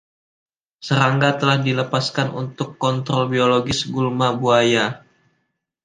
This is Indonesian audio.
Serangga telah dilepaskan untuk kontrol biologis gulma buaya.